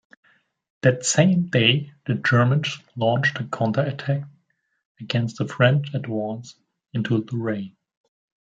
That same day the Germans launched a counter-attack against the French advance into Lorraine.